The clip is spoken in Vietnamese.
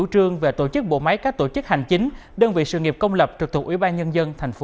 trong bản tin kinh tế phương nam